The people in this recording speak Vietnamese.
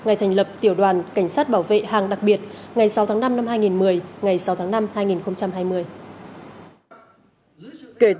ngày thành lập tiểu đoàn cảnh sát bảo vệ hàng đặc biệt